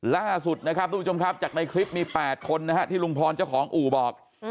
ล่าสุดนะครับทุกผู้ชมครับจากในคลิปมี๘คนนะฮะที่ลุงพรเจ้าของอู่บอก